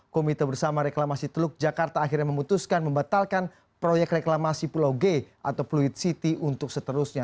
komite bersama reklamasi teluk jakarta akhirnya memutuskan membatalkan proyek reklamasi pulau g atau fluid city untuk seterusnya